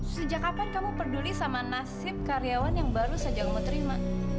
sejak kapan kamu peduli sama nasib karyawan yang baru saja kamu terima